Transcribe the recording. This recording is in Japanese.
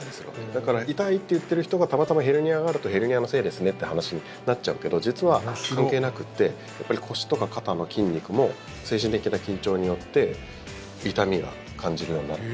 だから、痛いと言っている人がたまたまヘルニアがあるとヘルニアのせいですねって話になっちゃうけど実は関係なくて腰とか肩の筋肉も精神的な緊張によって痛みを感じるようになる。